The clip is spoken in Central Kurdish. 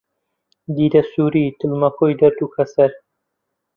دیدە سووری، دڵ مەکۆی دەرد و کەسەر